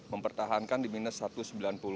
mempertahankan di minus satu ratus sembilan puluh